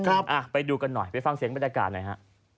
ครับอ่ะไปดูกันหน่อยไปฟังเสียงบรรยากาศหน่อยฮะ